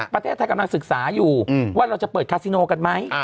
ประเทศไทยกำลังศึกษาอยู่ว่าเราจะเปิดคาซิโนกันไหม